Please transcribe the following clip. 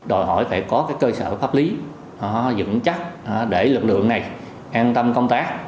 đòi hỏi phải có cơ sở pháp lý dựng chắc để lực lượng này an tâm công tác